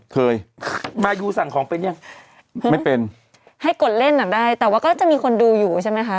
เคยมายูสั่งของเป็นยังไม่เป็นให้กดเล่นอ่ะได้แต่ว่าก็จะมีคนดูอยู่ใช่ไหมคะ